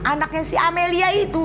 anaknya si amelia itu